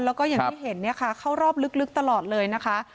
แล้วก็อย่างที่เห็นเนี่ยค่ะเข้ารอบลึกตลอดเลยนะคะ